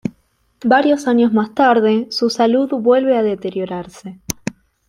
Varios años más tarde, su salud vuelve a deteriorarse.